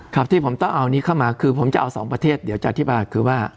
ครับที่ผมต้องเอานี้เข้ามาคือผมจะเอาสองประเทศเดี๋ยวจะอธิบายคือว่า